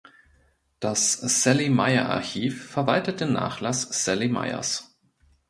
Das Saly-Mayer-Archiv verwaltet den Nachlass Saly Mayers.